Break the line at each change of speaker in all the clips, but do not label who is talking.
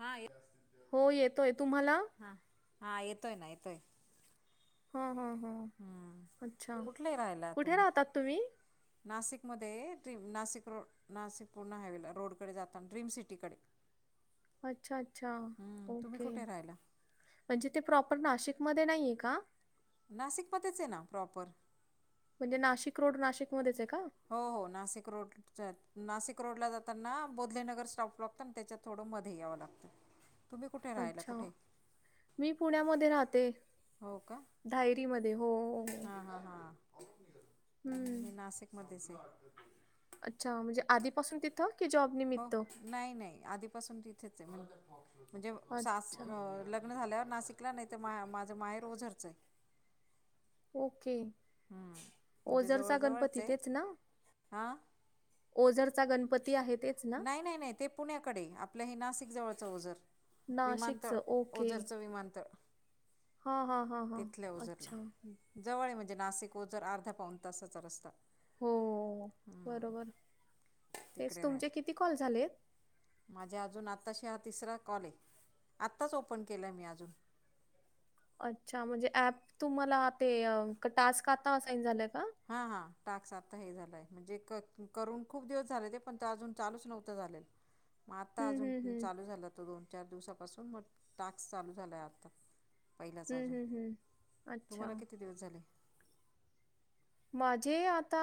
हाय
हो, येतोय तुम्हाला?
हा, हा.. येतोय ना येतोय.
ह्.. ह्..
हम्म
ह्... अच्छा,
कुठले राहिला
कुठे
तुम्ही
राहतात तुम्ही?
नाशिकमध्ये, ट्रीम... नाशिक रोड. नाशिक पूर्ण हावेला रोडकडे जाताना, ड्रीम सिटीकडे.
अच्छा... अच्छा...
हम्म
ओ.
तुम्ही
के.
कुठे राहिला
म्हणजे ते प्रॉपर नाशिकमध्ये नाही आहे का?
नाशिकमध्येच आहे ना प्रॉपर.
म्हणजे नाशिक रोड, नाशिकमध्येच आहे का?
हो.. हो... नाशिक रोड. नाशिक रोडला जातांना, बोधलेनगर स्टॉप लागतो ना, त्याच्या थोडं मध्ये यावं लागतं. तुम्ही कुठे राहायला
अच्छा....
कुठे
मी पुण्यामध्ये रहाते. धायरीमध्ये हो... हो...
हा.. हा.. हा...
हं.
मी नाशिकमध्येच आहे.
अच्छा.... म्हणजे आधीपासून तिथं की जॉब?
हो,
निमित्त?
नाही -नाही... आधीपासून तिथेच आहे, म्हणजे सास..
अच्छा.
अ.. लग ग्न झाल्यावर नाशिकला, नाही तर मा.. माझं माहेर ओझरच आहे.
ओ. के.
हम्म. म्हणजे
ओझरचा
जवळजवळच
गणपती
आहे
तेचं ना?
हां
ओझरचा गणपती आहे तेचं.
नाही.. नाही.. नाही ते पुण्याकडे, आपलं हे नाशिक जवळचं ओझर. विमानतळ...
नाशिकचं.
ओझरचं विमानतळ
हा.. हा... ह..
तिथल्या ओझरला जवळ आहे म्हणजे, नाशिक ओझर अर्धा पाऊन तासाचा रस्ता.
हो... बरोबर, तेच तुमचे किती कॉल झालेत?
माझ्ये अजून आत्ताशी हा तिसरा कॉल आहे, आत्ताच ओपन केला आहे मी अजून.
अच्छा.... म्हणजे ऍप तुम्हाला ते... टास्क आता असाइन झालायं का?
हा.. हा... टाक्स आता हे झालायं, म्हणजे क.. करून खूप दिवस झाले होते, पण तो अजून चालूच नव्हता झालेला.
[unintelligible]
मग आत्ता
हम्म
अजून
हम्म
चालू झालं होतं दोन -चार दिवसापासून मग टाक्स चालू झालायं आता. पहिलाच
हम्म
अजून,
हम्म हम्म. अच्छा
तुम्हाला किती दिवस झाले?
माझे, आता...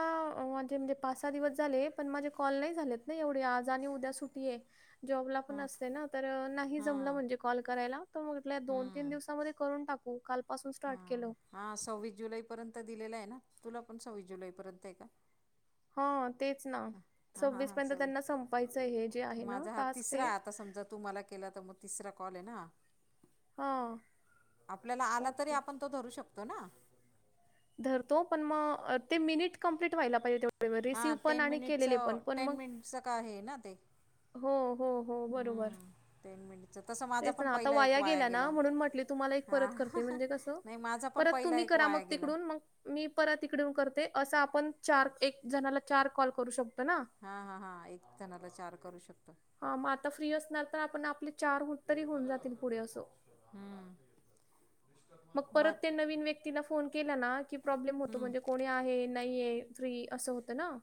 माझे म्हणजे पाच- सहा दिवस झाले, पण माझे कॉल नाही झालेत ना एवढे आज आणि उद्या सुट टी... य.. जॉबला पण
हां
असते ना... तर नाही जमलं
हां
म्हणजे कॉल करायला, तर म्हटलं दोन -तीन
हां
दिवसामध्ये करून टाकू. काल पाासून स्टार्ट
हां
केलं.
हां, सव्वीस जुलैपर्यंत दिलेलं आहे ना... तुला पण सव्वीस जुलैपर्यंत आहे का?
हां तेच ना
हा... हा..
सव्वीस
हा..
पर्यंत
स,
त्यांना संपायचं हे जे आहे ना
माझा हा
टास्क ते
तिसरा आता समजा तुम्हाला केला तर मग तिसरा कॉल आहे ना...
हां
आपल्या आला तरी पण
ओके
आपण तो धरू शकतो ना?
धरतो पण मग ते मिनिट कंप्लीट व्हायला पाहिजे तेवढे. वेळ
हां
रिसीव्ह पण
टेन
आणि केलेले पण
मिनिटचं,
पण
टेन
मग
मिनिटचं का हे आहे ना ते.
हो हो हो बरोबर.
हम्म टेन मिनिटचं तसं माझा
तेच
पण
ना आता
पहिला एक
वाया गेल
गेला
ना, म्हणून म्हटले तुम्हाला एक
हां
परत करते म्हणजे कसं
नाही माझा पण
परत
पहिला
तुम्ही
एक
करा मग
वाया गेला
तिकडून मग मी परत इकडून करते. असं आपण चार एक जणाला चार कॉल करू शकतो ना.
हा हा हा एक जणाला चार करू शकतो.
हा मग आता फ्री असणार तर, आपण आपले चार गुत तरी होऊन जातील पुढे असं.
हा.
मग परत ते नवीन व्यक्तीला फोन केला ना, की प्रॉब्लेम होतो म्हणजे कोण णी आहे, नाहीे आहे फ्री असं होत ना.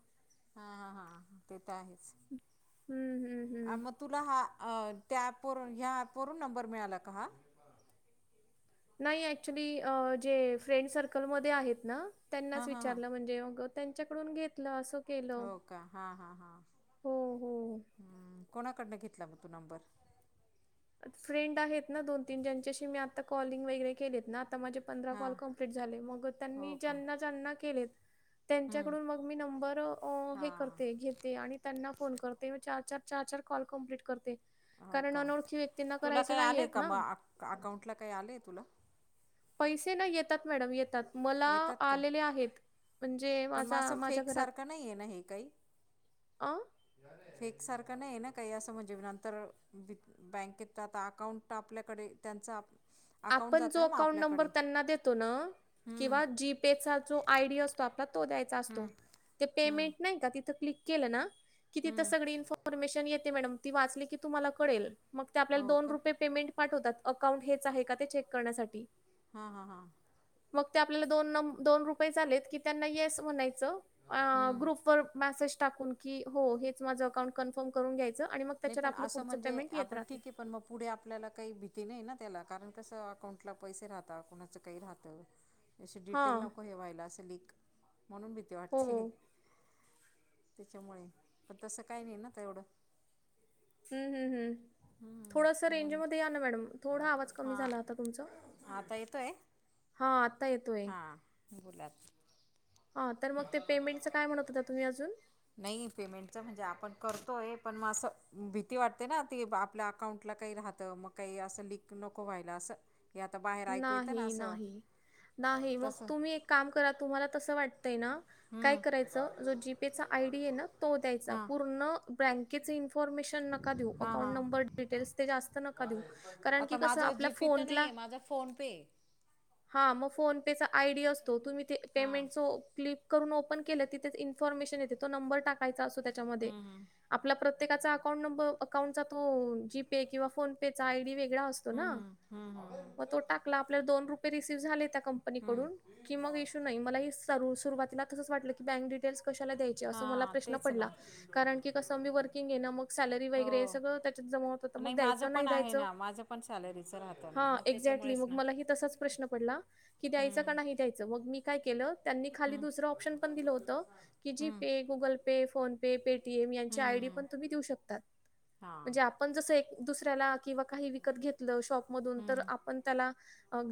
हा हा ते तर आहेच.
हम्म हम्म हम्म
आणि मग तुला हा अ त्या ॲपवरून, ह्या ॲपवरून नंबर मिळाला का हा?
नाही. ऍक्च्युली अह जे फ्रेंड सर्कलमध्ये आहेत ना,
हां
त्यांनाच
हां हां
विचारलं म्हणजे मग त्यांच्याकडून घेतलं, असं केलं.
हो का हां हां हां
हो हो.
हम्म. कोणाकडनं घेतला मग तू नंबर?
फ्रेंड आहेत ना दोन तीन ज्यांच्याशी मी आता कॉलिंग वगैरे केलेत ना आता माझे पंधरा
हां
कॉल कंप्लिट झाले मग त्यांनी
हो का
ज्यांना ज्यांना केलेत
हम्म
त्यांच्याकडून मग मी नंबर अह हे
हां
करते घेते आणि त्यांना फोन करते मी चार चार चार चार कॉल कम्प्लीट करते
हो
कारण अनोळखी व्य क्तीना करायच नाहीयेत ना
अकाउंट ला काही आलंय तुला?
पैसे ना येतात मॅडम येतात. मला
येतात का
आलेले आहेत. म्हणजे
पण मग
माझा
असं
माझ्या घरात
फेकसारखं नाही
अह
फेक सारखं नाही ना काही असं म्हणजे नंतर वी बँकेत आता अकाउंट आपल्याकडे त्यांच आप अकाउंट
आपण जो
जातं ना मग
अकाउंट नंबर
आपल्याकडे
त्यांना देतो ना
हम्म
किंवा जी त्याचा जो आयडी असतो आता तो द्यायचा असतो
हम्म
ते
हम्म
पेमेंट नाही का तिथं क्लिक केलं ना कि तिथं
हम्म
सगळी इन्फॉर्मेशन येते मॅडम ती वाचली की तुम्हाला कळेल. मग ते आपल्याला
हो
दोन
का
रुपये पेमेंट पाठवतात अकाउंट हेच आहे का ते चेक करण्यासाठी
हा हा हा.
मग ते आपल्याला दोन नम दोन रुपये आलेत की त्यांना येस म्हणायचं. अह
हम्म
ग्रुप वर मेसेज टाकून की हो हेच माझं अकाउंट कन्फर्म करून घ्यायच आणि मग
नाही
त्याच्यावर
पण
आपलं
असं
पुढचं
म्हणजे
पेमेंट येत
आपण
राहते.
ठीक आहे पण मग पुढे आपल्याला काही भी ती नाही ना त्याला कारण कसं अकाउंटला पैसे राहत कोणाचं काही राहतं तशी डिटेल
हां.
नको हे व्हायला असं लीक म्हणून भीती
हो.
वाटते. त्याच्यामुळे पण तसं काही नाही ना तेवढं
हम्म हम्म हम्म
हम्म,
थोडस रेंज
म्हणून
मध्ये या ना मॅडम. थोडा आवाज कमी झाला होता तुमचा
हां आता येतोय?
हां आत्ता येतोय
बोला.
हां तर मग ते पेमेंटचं काय म्हणत होता तुम्ही अजून
नाही पेमेंटचं म्हणजे आपण करतो आहे पण म असं भीती वाटते ना ती आपल्या अकाउंटला काही राहतं मग काही असं लीक नको व्हायला असं की आता बाहेर ऐकू येतं ना
नाही
असं
नाही नाही मग
तस
तुम्ही एक काम करा तुम्हाला तसं वाटतंय ना काय
हम्म
करायचं जो जीपे चा आयडी आहे ना तो द्यायचा
हा
पूर्ण बँकेचे इनफॉर्मेशन नका देऊ
हा हा
अकाउंट नंबर डिटेल्स ते जास्त नका देऊ कारण की
आता
कसं
माझा
आपल्या
जीपे तर
फोनला
नाहीये माझा फोन पे
हा मग फोन पे चा आयडी असतो तुम्ही ते
हा
पेमेंट जो क्लिक करून ओपन केलं तिथे इन्फॉर्मेशन येते तो नंबर टाकायचा असतो त्याच्यामध्ये
हम्म
आपला प्रत्येकाचा अकाउंट नंबर अकाउंटचा तो जीपे किंवा फोन पेचा आयडी वेगळा असतो. तो ना
हम्म हम्म हम्म ह
मग तो टाकला आपल्याला दोन रुपये रिसीव्ह झाले त्या
हम्म
कंपनीकडून की मग इशू नाही मला ही सुरवातीला तसंच वाटलं की बँक डिटेल्स कशाला देऊ की मला
हा
प्रश्न
तेच ना
पडला कारण कसं मी वर्किंग आहे ना मग सॅलरी
हो
वगैरे हे सगळं त्याच्यात जमा होतं. तर
नाही
मग
माझं
द्यायचं, नाही
पण आहे
द्यायचं?
ना माझं पण सॅलरीचं राहतं ना.
हां, एक्झॅक्टली
त्याच्यामुळेच
मग
ना
मलाही तसाच प्रश्न पडला की द्यायचा का
हम्म
नाही द्यायचं मग मी काय केलं त्यांनी खाली
हम्म
दुसरं ऑप्शन पण दिलं होतं की
हम्म
GPay, Google Pay, PhonePe Paytm यांच्या आयडी
हम्म
पण तुम्ही देऊ शकता
हां
म्हणजे पण जस एक दुसऱ्याला किंवा काही विकत घेतलं शॉप तर
हम्म
आपण त्याला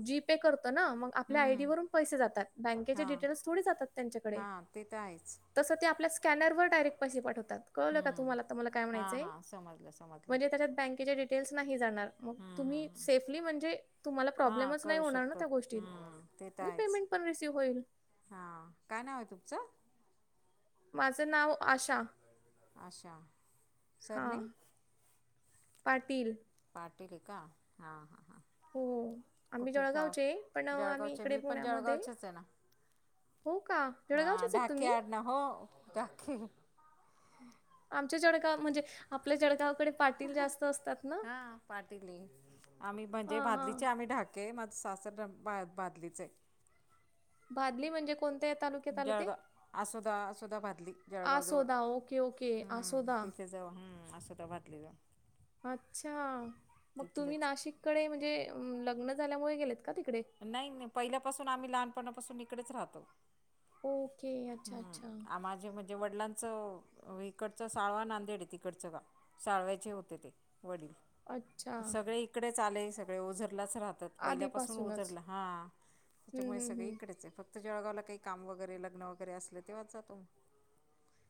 जी पे करतो ना आपल्या आयडी
हम्म
वरून पैसे जातात बँकेचे
हां
डिटेल्स थोडे जातात त्यांच्याकडे.
हां ते तर आहेच.
तस ते आपल्या स्कॅनरवर डायरेक्ट पैसे पाठवतात, कळवलं का तुम्हाला
हम्म
आता मला काय
हां
म्हणायचंय.
हां समजलं समजलं
म्हणजे त्याच्यात बँकेचे डिटेल्स नाही जाणार म्हणजे
हम्म
तुम्ही
हम्म
नाही म्हणझे तुमाला
हां
प्रॉब्लेच नाही
करू
होणार ना
शकतो
त्या गोष्टी
हम्म
आणि पेमेंट पण रिसिव्ह होईल.
हा काय नाव आहे तुमचं?
माझं नाव आशा.
अच्छा
हा
सरनेम
पाटील.
पाटील का हां हां हां.
हो आम्ही
कुठे जॉब
जळगावचे पण अ, आम्ही
जळगावचे
इकडे
मी पण
पुण्यामध्ये
जळगावचेच आहे ना.
हो का.
हा
जळगावचेच आहेत
डाके
तुम्ही
आडनाव, हो डाके.
आमच्या जळगाव म्हणजे आपल्या जळगावकडे. पाटील जास्त असतात ना
हा पाटील ल आम्ही म्हणजे
हां
भादली
हां
चें आम्ही डाके. हे माझा सासर भ भदलीच आहे.
भादली म्हणजे कोणत्या तालुक्यात आलं ते.
असुदा असुदा भादली. जळगावजवळ,
आसोदा ओके ओके
हम्म
आसोदा
तिथे जाव हम असुदा भादले जाऊ.
अच्छा मग तुम्ही
तिथलेच
नाशिककडे म्हणजे लग्न झाल्यामुळे गेलेत का तिकडे.
नाही नाही पहिल्यापासून आम्ही लहानपणापासून इकडेच राहतो.
ओके. अच्छा, अच्छा.
हम्म आ माझे म म्हणजे वडिलांचं इकडचं साळवा नांदेड आहे तिकडचं गाव. सळव्यचे होते ते वडील
अच्छा.
सगळे इकडेच आले, सगळे ओझरलाच राहतात.
आधीपासूनच.
उतरलं हा
हं,
त्याच्यामुळे
हं,
सगळ
हं.
इकडेच आहे. जळगावला काही काम वगैरे, लग्न वगैरे असलं तेव्हाच जातो.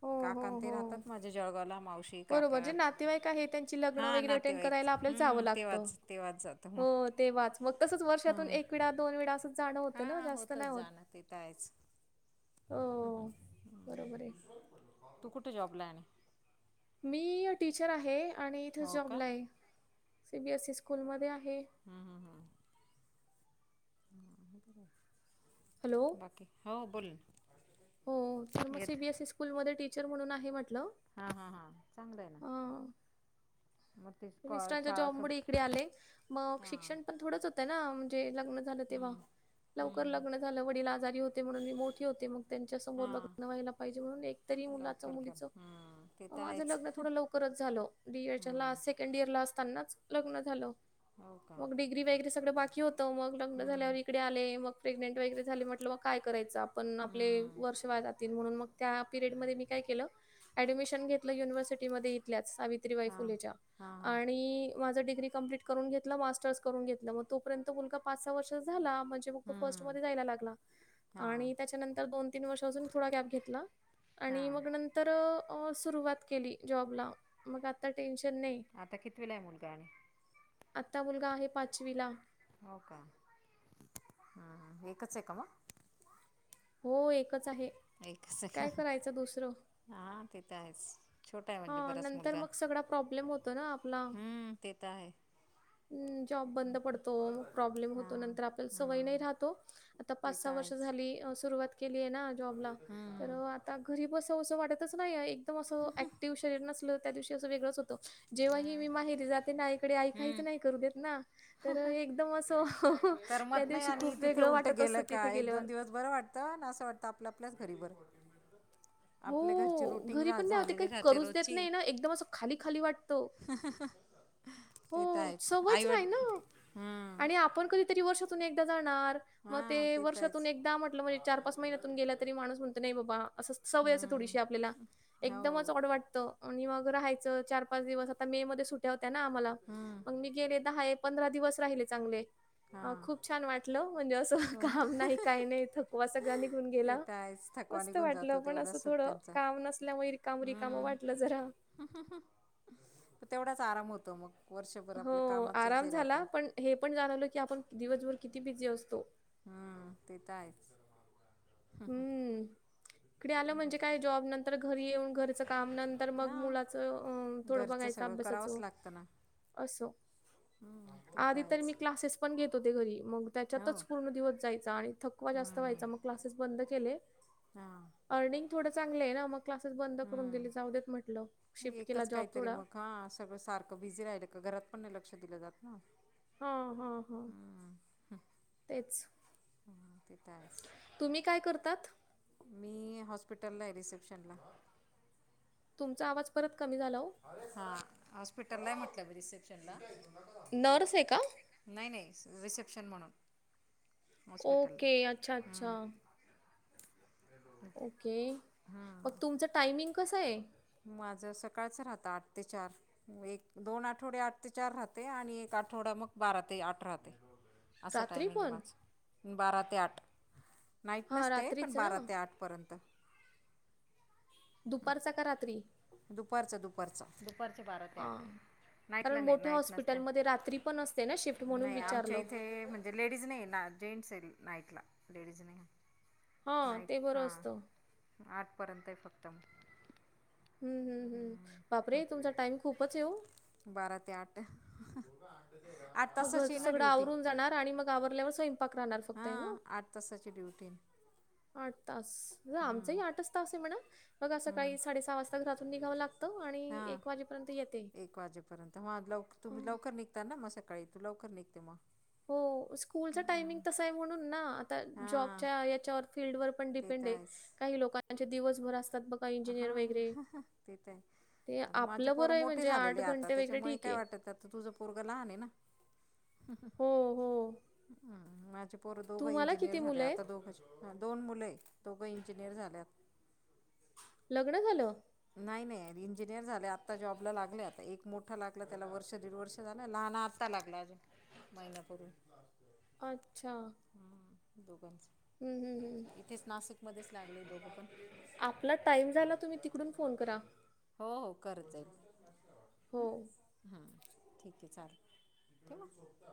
हो, हो,
काका न ते राहतात
हो.
माझे जळगावला मावशी
बरोबर.
काका,,
जे नातेवाईक आहे त्यांची लग्न
हा
वगैरे
ना
अटेंड
तेव्हा एक,,
करायला आपल्याला जावं
हम्म
लागतं.
तेव्हाच जातो मग
हो, तेव्हाच, मग तसंच वर्षातून
हं.
एक वळा दोन वेळा असं जाणं होतं ना,
हां
जास्त
होतच
नाही होत.
जाणं ते तर आहेच
हो. बरोबर आहे.
तू कुठं जॉबला य आणि
मी टीचर आहे आणि इथे
हो का
जॉबला आहे,,
हं,
सी बी एसई स्कूलमध्ये आहे.
हम्म हम्म हम्म. हां बरं.
हॅलो!
बाकी,, हो बोल ना.
हो,, तर मग
येत
सीबीएसई स्कूलमध्ये टीचर म्हणून आहे म्हटलं.
हा हा हां, चांगलंय ना.
हां.
मग ते
मिस्टरांच्या
शाळा
जॉब मुळे
सुट
इकडे आले,, मग
हा
शिक्षण पण थोडंच होतं ना, म्हणजे लग्न तेव्हा,
हम्म
लवकर
हम्म
लग्न झालं वडील आजारी होते म्हणून मी मोठे होते मग त्यांच्या समोर
हा
लग्न व्हायला पाहिजे म्हणून एकतरी मुलाचं
लवकर कर
मुलीचं
हम्म ते
मग
तर
माझं
आहेच
लग्न थोडं लवकरच झालं, डीए च्या ला
हम्म
केंड ईयर ला असतानाच लग्न झालं.
हो का.
मग डिग्री वगैरे सगळं बाकी होतं,, मग लग्न झाल्यावर
हम्म
इकडे आले, मग प्रेग्नेंट वगैरे झाले म्हटलं मग काय करायचं आपणं आपले
हम्म
वर्ष वाया जातील, म्हणून मग त्या पिरियड मध्ये मी काय केलं ऍडमिशन घेतलं युनिव्हर्सिटीमध्ये इथल्याच सावित्रीबाई
हा
फुलेच्या,,
हा हा
आणि माझा डिग्री कंप्लीट करून घेतलं मास्टर्स करून घेतलं,, मग तोपर्यंत मुलगा पाच सहा वर्षाचा झाला, मज मग तो फर्स्ट
हम्म
मध्ये जायला लागला,,
हां
आणि त्याच्यानंत दोन तीन वर्ष अजून थोडा गॅप घेतला,, आणि मग
हां
त्यानंतर तर अ सुरुवात केली जॉबला, मग आता टेन्शन नाही.
आता कितवीला आहे मुलगा आणि.?
आत्ता मुलगा आहे पाचवी ला.
होका,, अ एकचय का मग?
हो एकच आहे.
एकच आहे,,
काय करायचं दुसरं?
हा तेथत आहेच. छोटा आहे म्हणजे
हां,
बराच
नंतर
मुलगा,,
मग सगळा प्रॉब्लेम होतो ना आपला.
हम्म ते तर आहे.
अं जॉब बंद पडतो मग प्रॉब्लेम होतो,
हां
नंतर आपल्याला सवय नाही
हम्म
राहत ओ. आता
ते
पाच
तर
सहा वर्ष
आहेच
झाली, अं सुरुवात केली आहे ना जॉबला,, तर आता घरी बसावसं वाटतच नाहीये एकदम असं एॅक शरीर नसलं त्या दिवशी अस वेगळंच होत जेव्हाही मी माहिरी जाते ना आईकडे, आई
हम्म
काहीच नाही करू देत ना, तर एकदम असं त्या
करमत नाही
दिवशी
आणि
खूप
तिथे
वेगळं
उलटं
वाटत असतं
गेलं
तिथे
का,, एक
गेल्यावर.
दोन दिवस बरं वाटत त ना असं वाटतं आपलं आपल्यालाच घरी बरं होतं.
हो,
आपल्या घरची रुटींग
घरी
रा झालेली राहते रोजची
खाली खाली वाटतं.
हा [unintelligible]
हो सवयच नाही ना,,
हम्म
आणि आपण कधीतरी वर्षातून एकदा जाणार मग ते
हां तर
वर्षातून
आहेच
एकदा म्हटलं, म्हणजे चार पाच महिन्यातून गेला तरी माणस म्हणत नाही बाबा, असंच सवयच
हम्म
थोडीशी आपल्याला,
हो
एकदमच ऑड वाटतं. आणि मग, राहायचं चार- पाच दिवस आता मे मध्ये सुट्या होत्या आम्हाला.
हम्म
मग मी गेले दहा पंधरा दिवस राहिले चांगले,
हां
खूप छान वाटलं म्हणजे असं
हो ना
काम नाही काही नाही थकवा सगळा निघून
ते
गेला,
तर आहेच थकवा
मस्त
निघून
वाटलं
जातो
पण असं
तेवढाच
थोडं
सुट्ट्यांचा
काम नसल्यामुळे रिकाम रिकाम
हम्म
वाटलं जरा.
तेवढाच आराम होतो मग, वर्षभर आपल्या
हो,
कामाचच
आराम
हे
झाला,
राहतं.
पण हे पण जाणवलं की आपण, दिवसभर किती बिझी असतो.
हम, ते तर आहेच.
हम्म, इकडे आलं म्हणजे काय जॉब नंतर घरी येऊन घरचं काम नंत तर मग
हां
मुलाचं थोडं
घरचं
बघायचं
सगळं करावंच
अभ्यासाचं,
लागतं ना
असं
हम्म ते
आधी तर मी
आहेच
क्लासेस पण घेत होते घरी, मग
हो
त्याच्यातच पूर्ण दिवस जायचा आणि थकवा जास्त
हम्म
व्हायचा मग क्लासेस बंद केले.
हा.
अर्निंग थोडं चांगलं आहे ना, मग क्लासेस बंद करून दिली
हम्म
जाऊ देत म्हटलं, शिफ्ट केला
एकच
जॉब
काहीतरी
थोडा.
मग हा सगळं सारखं बिझी राहिलं का घरात पण नाही लक्ष दिलं जात ना.
हा हा हा, तेच.
हा, ते तर आहेच
तुम्ही काय करतात?
मी हॉस्पिटललाय रिसेप्शनला.
तुमचा आवाज परत कमी झाला ओ.
हा हॉस्पिटल ला आहे म्हटलं, रिसेप्शनला.
नसऀ आहे का?
नाही नाही रिसेप्शन म्हणून. हॉस्पिटलला
ओके, अच्छा! अच्छा! ओके, मग तुमचं टायमिंग कसं आहे?
माझं सकाळचं राहतं आठ ते चार. एक दोन आठवडे आठ ते चार राहते आणि एक आठवडा मग बारा ते आठ राहते. असं
रात्री
टायमिंग आहे
पण?
माझं, बारा ते आठ नाईट
हां,
नसते पण
रात्रीच ना?
बारा ते आठ. परंत.
दुपारचा का रात्री?
दुपारचं- दुपारचं, दुपारचे बारा ते आठ.
हां.
नाईटला
कारण
नाही
मोठ्या
नाईट नसत्या,
हॉस्पिटलमध्ये रात्री पण असते ना शिफ्ट म्हणून
नाही आमच्या
विचारलं.
इथे म्हण लेडीज नाही ना, जेंटस नाईटला लेडीज नाही.
हां,
नाईट
ते
हा,
बरं असतं.
आठपर्यंत आहे फक्त.
हम् हम्म हम्, बापरे! तुमचा टाइम खूपचय ओ.
बारा ते आठ. आठ
मग
तासाची
घरचं
आहे ना
सगळं
ड्युटी
आवरून जाणार आणि मग आवरल्यावर स्वयंपाक राहणार फक्त आहे ना.
हां आठ तासाची ड्युटी
आठ तास,
हम्म
आमचाही आठच तास आहे म्हणा. बघा
हम्म
सकाळी साडेसहा वाजता घरातून निघावं लागतं आणि
हां
एक वाजेपर्यंत येत.
एक वाजेपर्यंत ह लवकर तुम्ही लवकर निघता ना मग सकाळी, तू लवकर निघते मग.
हो स्कूलचा टायमिंग तस आहे म्हणून ना आता
हां
जॉबच्या याच्यावर फीलल्डवर
ते तर
डिपेंड य काही लोकाचे दिवसभर असतात बघ
हा. [unintelligible]
ते
माझे
आपलं
पोर
बरं आहे
मोठे
म्हणजे
झालेले
आठ
आता,
घंटे वगैरे
त्याच्यामुळे
ठीक
काय
आहे
वाटत तुझ पोरग लहान आहे ना,
हो हो
माझ पोरं दोघं
तुम्हाला
इंजिनियर
किती
झाले
मुलं आहेत
आता दोघं दोन मुलं आहे दोघं इंजिनियर झाल्यात.
लग्न झालं.
नाही नाही इंजिनियर झाले आत्ता जॉबला लागले, आता एक मोठं लागलं त्याला वर्ष दीड वर्ष झालं लहान आ लागला अजून करून [inaudible]
अच्छा!
ह् दोघंच [inaudible]
हम्म हम्म हम्म
इथेच नाशिक मध्येच लागले दोघं पण.
आपला टाइम झाला तुम्ही तिकडून फोन करा
हो करतंय.
हो
हम्म ठीक आहे चालेल. ठीक